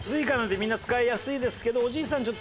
Ｓｕｉｃａなんてみんな使いやすいですけどおじいさん